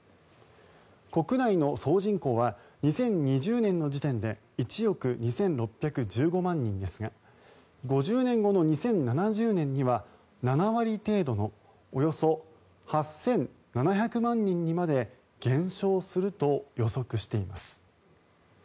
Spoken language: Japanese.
国内の総人口は２０２０年の時点で１億２６１５万人ですが５０年後の２０７０年には７割程度のおよそ８７００万人にまで減少すると予測しています。